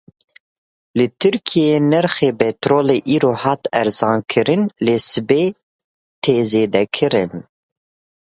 Li Tirkiyeyê nirxê petrolê îro hat erzankirin, lê sibê tê zêdekirin.